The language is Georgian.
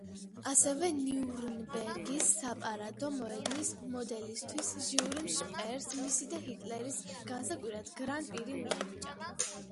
ასევე, ნიურნბერგის საპარადო მოედნის მოდელისთვის, ჟიურიმ შპეერს, მისი და ჰიტლერის გასაკვირად, გრან-პრი მიანიჭა.